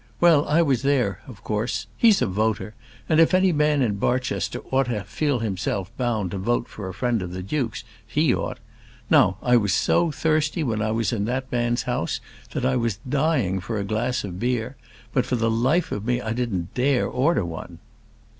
Well, I was there, of course: he's a voter, and if any man in Barchester ought to feel himself bound to vote for a friend of the duke's, he ought. Now, I was so thirsty when I was in that man's house that I was dying for a glass of beer; but for the life of me I didn't dare order one."